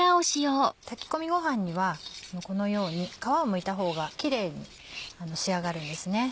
炊き込みごはんにはこのように皮をむいた方がキレイに仕上がるんですね。